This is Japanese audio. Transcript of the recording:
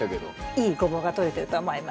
いいゴボウがとれてると思います。